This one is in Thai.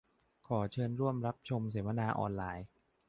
ขอเชิญร่วมรับชมเสวนาออนไลน์